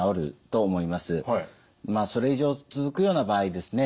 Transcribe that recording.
それ以上続くような場合ですね